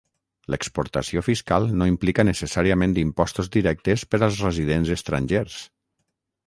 L'exportació fiscal no implica necessàriament impostos directes per als residents estrangers.